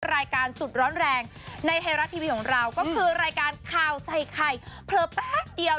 รายการสุดร้อนแรงในไทยรัฐทีวีของเราก็คือรายการข่าวใส่ไข่เผลอแป๊บเดียว